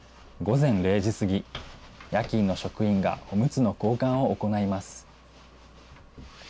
午前０時過ぎ、夜勤の職員がおむつの交換を行います。